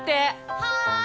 はい！